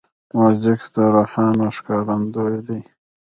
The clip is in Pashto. موزیک د روحانه ښکارندوی دی.